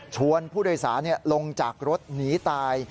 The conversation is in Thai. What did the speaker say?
ชวนผู้โดยสารลงจากรถหนีตาย